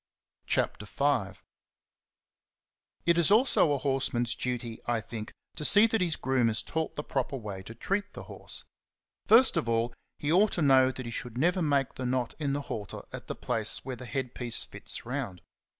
^^ CHAPTER V. TT is also a horseman's duty, I think, to * see that his groom is taught the proper way to treat the horse. First of all, he ought to know that he should never make the knot in the halter at the place where the head piece fits round.